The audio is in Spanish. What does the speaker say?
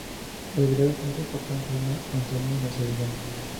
Las variedades más importantes son la manzanilla y la sevillana.